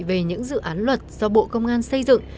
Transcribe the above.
về những dự án luật do bộ công an xây dựng